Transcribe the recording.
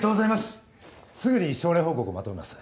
すぐに症例報告をまとめます。